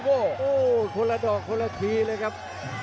โอ้โหคนละดอกคนละทีเลยครับ